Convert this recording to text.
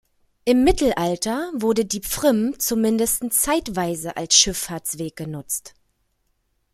Im Mittelalter wurde die Pfrimm zumindest zeitweise als Schifffahrtsweg genutzt.